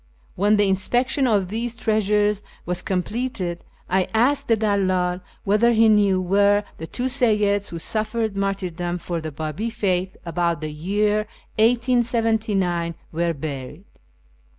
When the inspection of these treasures was completed, I asked the dalldl whether he knew where the two Seyyids who suffered martyrdom for the Babi faith about the year 1879 were buried.